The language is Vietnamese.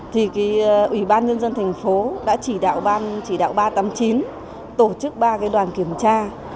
thì ủy ban nhân dân thành phố đã chỉ đạo ban chỉ đạo ba trăm tám mươi chín tổ chức ba cái đoàn kiểm tra